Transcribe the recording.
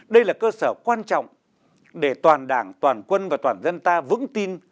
đây là cơ sở quan trọng để toàn đảng toàn quân và toàn dân ta vững tin